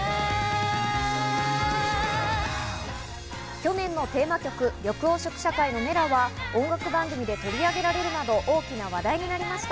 去年のテーマ曲、緑黄色社会の『Ｍｅｌａ！』は音楽番組で取り上げられるなど大きな話題になりました。